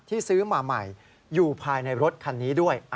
ซื้อมาใหม่อยู่ภายในรถคันนี้ด้วย